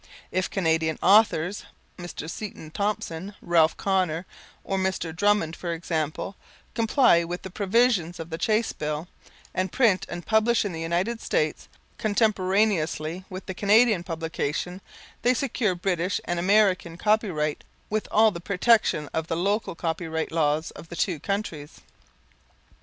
If Canadian authors, Mr. Seton Thompson, Ralph Connor, or Dr. Drummond, for example, comply with the provisions of the Chace Bill, and print and publish in the United States contemporaneously with the Canadian publication, they secure British and American copyright, with all the protection of the local copyright laws of the two countries.